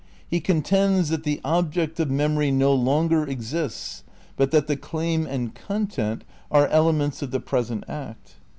He contends that "the object of memory no longer ex ists but that the claim and content are elements of the present act."